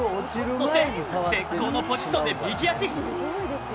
そして、絶好のポジションで右足！